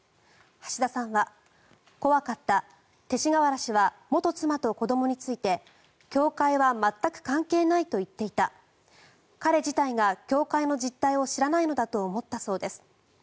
橋田さんは怖かった勅使河原氏は元妻と子どもについて教会は全く関係ないと言っていた彼自体が教会の実態を知らないのだと思ったそうです。